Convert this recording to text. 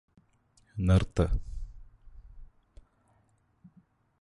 നിര്ത്ത്